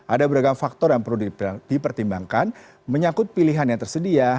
ada beragam faktor yang perlu dipertimbangkan menyangkut pilihan yang tersedia